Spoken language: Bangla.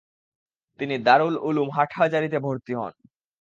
তিনি দারুল উলুম হাটহাজারীতে ভর্তি হন।